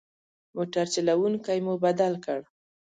موټر چلوونکی مو بدل کړ.